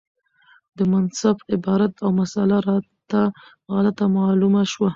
د مصنف عبارت او مسأله راته غلطه معلومه شوه،